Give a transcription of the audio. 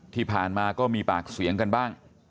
ที่ผ่านมาก็มีปากเสียงกันบ้าง